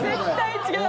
違う！